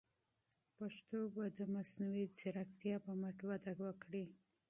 پښتو به د مصنوعي ځیرکتیا په مټ وده وکړي.